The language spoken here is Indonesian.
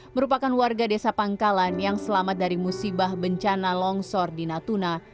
merupakan warga desa pangkalan yang selamat dari musibah bencana longsor di natuna